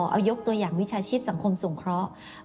เอายกตัวอย่างวิชาชีพสังคมสงเคราะห์